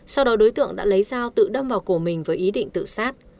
sau đó đối tượng đã lấy dao tự đâm vào cổ mình với ý định tự sát